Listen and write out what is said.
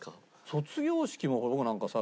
卒業式も僕なんかさ